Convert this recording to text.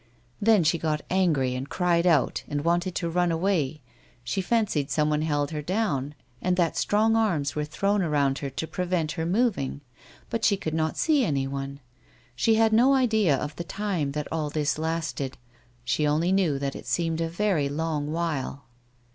Then she got angry, and cried out, and wanted to run away ; she fancied some one held her down, and that strong arms were thrown around her to prevent her moving, but she could not see anyone. She had no idea of the time that all this lasted ; she only knew that it seemed a very long while.